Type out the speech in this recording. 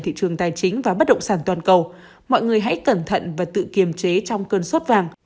thị trường tài chính và bất động sản toàn cầu mọi người hãy cẩn thận và tự kiềm chế trong cơn sốt vàng